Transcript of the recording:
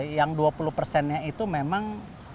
yang dua puluh persennya itu memang